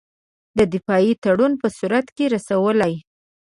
د دفاعي تړون په صورت کې رسولای.